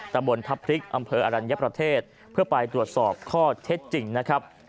ตำบลทัพพริกอำเภออรัญญประเทศเพื่อไปตรวจสอบข้อเท็จจริงนะครับ